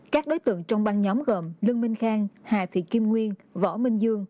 các đối tượng trong băng nhóm gồm lương minh khang hà thị kim nguyên võ minh dương